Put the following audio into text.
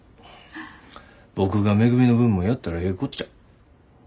僕がめぐみの分もやったらええこっちゃ。